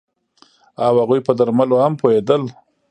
او هغوی په درملو هم پوهیدل